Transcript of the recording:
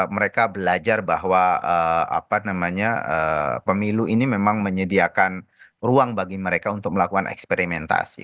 mereka belajar bahwa pemilu ini memang menyediakan ruang bagi mereka untuk melakukan eksperimentasi